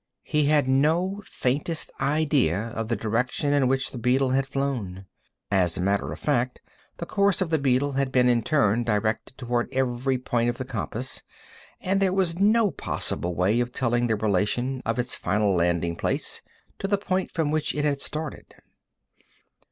He had no faintest idea of the direction in which the beetle had flown. As a matter of fact, the course of the beetle had been in turn directed toward every point of the compass, and there was no possible way of telling the relation of its final landing place to the point from which it had started.